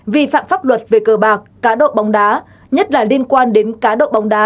vi phạm pháp luật về cờ bạc cá độ bóng đá nhất là liên quan đến cá độ bóng đá